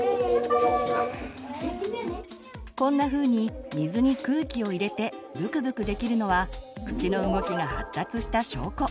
こんなふうに水に空気を入れてブクブクできるのは口の動きが発達した証拠。